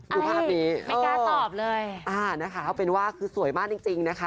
ดูภาพนี้ไม่กล้าตอบเลยอ่านะคะเอาเป็นว่าคือสวยมากจริงจริงนะคะ